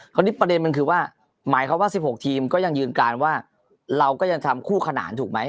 ประเด็นมันคือว่าหมายความว่า๑๖ทีมก็ยังยืนการว่าเราก็ยังทำคู่ขนานถูกไหม